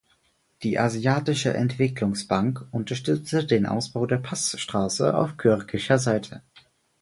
Die Asiatische Entwicklungsbank unterstützte den Ausbau der Passstraße auf kirgisischer Seite.